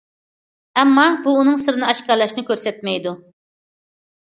ئەمما، بۇ ئۇنىڭ سىرىنى ئاشكارىلاشنى كۆرسەتمەيدۇ.